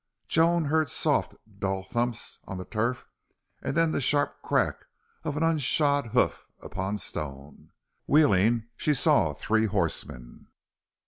Joan heard soft, dull thumps on the turf and then the sharp crack of an unshod hoof upon stone. Wheeling, she saw three horsemen.